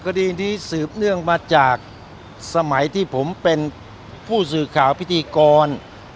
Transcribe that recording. คดีนี้สืบเนื่องมาจากสมัยที่ผมเป็นผู้สื่อข่าวพิธีกร